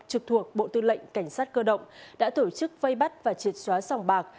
trực thuộc bộ tư lệnh cảnh sát cơ động đã tổ chức vây bắt và triệt xóa sòng bạc